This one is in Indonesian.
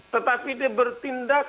tetapi dia bertindak